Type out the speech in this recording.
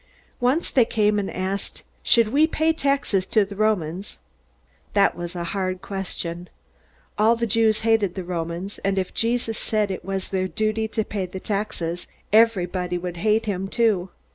Once they came and asked, "Should we pay taxes to the Romans?" That was a hard question. All the Jews hated the Romans, and if Jesus said that it was their duty to pay the taxes, everybody would hate him too.